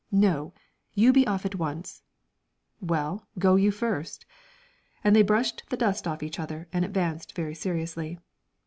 "No, you be off at once." "Well, go you first." And they brushed the dust off each other, and advanced very seriously.